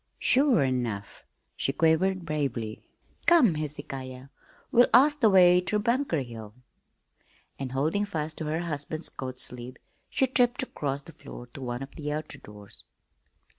"Sure enough!" she quavered bravely. "Come, Hezekiah, we'll ask the way ter Bunker Hill." And, holding fast to her husband's coat sleeve, she tripped across the floor to one of the outer doors.